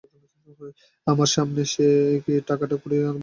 আমার সামনে সে কি টাকাটা কুড়িয়ে তুলে আনতে সংকোচ বোধ করছে?